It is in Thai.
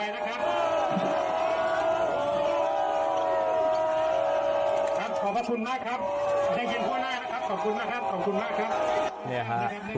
ขอบพระคุณมากครับได้เงินทั่วหน้านะครับขอบคุณมากครับขอบคุณมากครับ